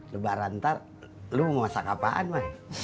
lebaran ntar lu mau masak apaan mah